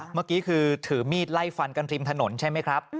เมื่อกี้คือถือมีดไล่ฟันกันริมถนนใช่ไหมครับ